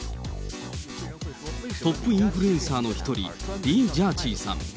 トップインフルエンサーの１人、リー・ジャーチーさん。